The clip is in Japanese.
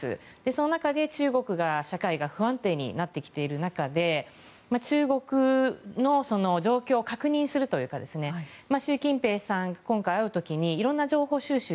その中で、中国の社会が不安定になってきている中で中国の状況を確認するというか習近平さんに今回会う時にいろんな情報収集。